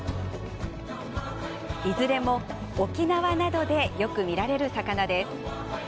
いずれも沖縄などでよく見られる魚です。